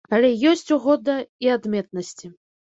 Але ёсць у года і адметнасці.